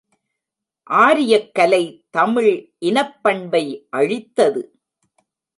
ஆரியக்கலை தமிழ் இனப்பண்பை அழித்தது.